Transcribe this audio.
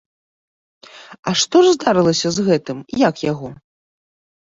А што ж здарылася з гэтым, як яго?